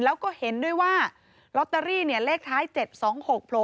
แล้วก็เห็นด้วยว่าลอตเตอรี่เนี่ยเลขท้าย๗๒๖โผล่